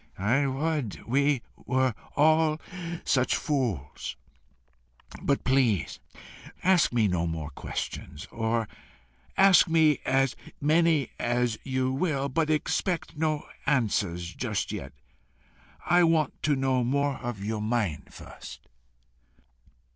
"I would we were all such fools! But please ask me no more questions; or ask me as many as you will, but expect no answers just yet. I want to know more of your mind first."